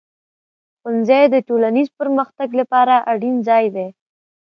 ښوونځی د ټولنیز پرمختګ لپاره اړین ځای دی.